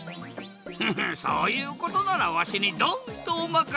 フフッそういうことならわしにドンとおまかせ！